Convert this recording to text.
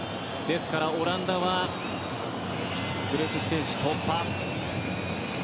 ですから、オランダはグループステージ突破。